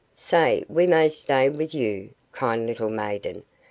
Say we may stay with you, kind little maiden."